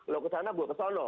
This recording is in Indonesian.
lo ke sana gue ke sana